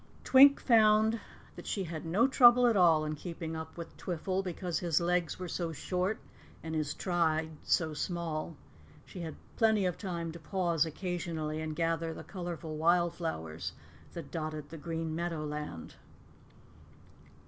Twink found that she had no trouble at all in keeping up with Twiffle, because his legs were so short and his stride so small. She had plenty of time to pause occasionally and gather the colorful wild flowers that dotted the green meadowland.